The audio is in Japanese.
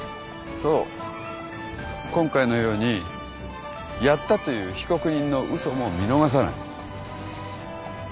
そう今回のようにやったという被告人の嘘も見逃さない。